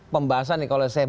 pembahasan ini kalau saya lihat